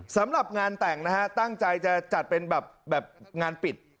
สำหรับงานแต่งนะฮะตั้งใจจะจัดเป็นแบบงานปิด